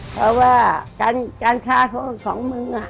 เพราะว่าการฆ่าโทษของมึง